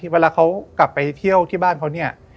เวลาเขากลับไปเที่ยวที่บ้านเขาเนี่ย